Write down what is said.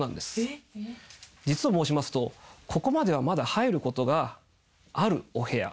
実を申しますとここまではまだ入ることがあるお部屋。